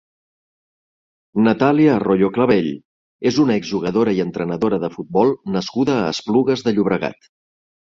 Natàlia Arroyo Clavell és una ex-jugadora i entrenadora de futbol nascuda a Esplugues de Llobregat.